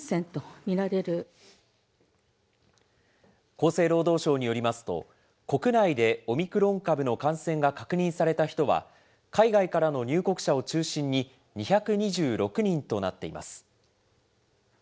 厚生労働省によりますと、国内でオミクロン株の感染が確認された人は、海外からの入国者を中心に、２２６人となっています。